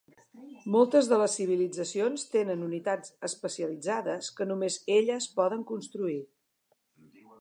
Moltes de les civilitzacions tenen unitats especialitzades que només elles poden construir.